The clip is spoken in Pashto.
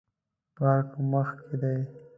پارک مخ کې دی